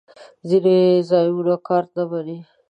ځینې ځایونه کارت نه منی